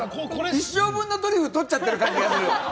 一生分のトリュフ、取っちゃってる感じする。